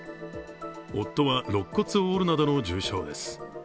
夫はろっ骨を折るなどの重傷です。